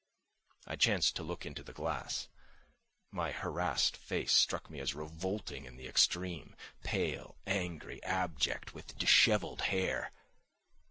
I chanced to look into the glass. My harassed face struck me as revolting in the extreme, pale, angry, abject, with dishevelled hair.